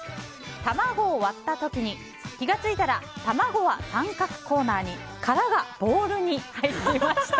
卵を割った時に、気が付いたら卵は三角コーナーに殻がボウルに入っていました。